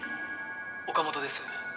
「岡本です」